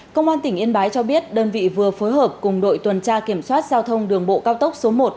công an tỉnh yên bái cho biết đơn vị vừa phối hợp cùng đội tuần tra kiểm soát giao thông đường bộ cao tốc số một